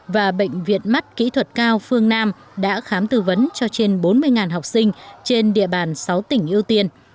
và bệnh viện mắt kỹ thuật cao phương nam đã khám tư vấn cho trên bốn mươi học sinh trên địa bàn sáu tỉnh ưu tiên